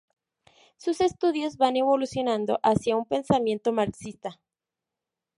Sus estudios van evolucionando hacia un pensamiento marxista.